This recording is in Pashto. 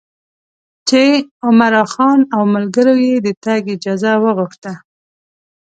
چې عمرا خان او ملګرو یې د تګ اجازه وغوښته.